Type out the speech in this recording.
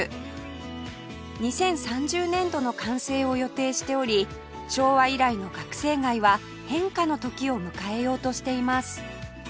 ２０３０年度の完成を予定しており昭和以来の学生街は変化の時を迎えようとしています